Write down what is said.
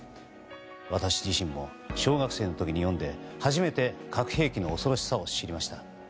私自身も小学生の時に読んで初めて核兵器の恐ろしさを知りました。